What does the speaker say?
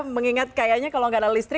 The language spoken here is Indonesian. mengingat kayaknya kalau nggak ada listrik